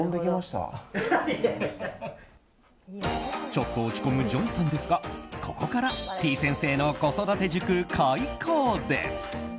ちょっと落ち込むＪＯＹさんですがここからてぃ先生の子育て塾開講です。